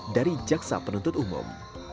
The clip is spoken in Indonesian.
dari jaksa penuntut umum